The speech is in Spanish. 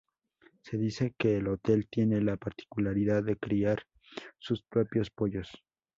Se dice que El hotel tiene la particularidad de criar sus propios pollos.